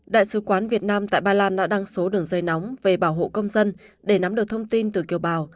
đại sứ quán việt nam tại ba lan đã đăng số đường dây nóng về bảo hộ công dân để nắm được thông tin từ kiều bào